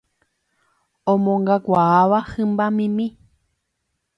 omongakuaáva hymbamimi